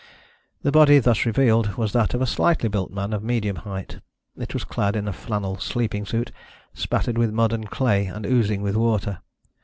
The body thus revealed was that of a slightly built man of medium height. It was clad in a flannel sleeping suit, spattered with mud and clay, and oozing with water.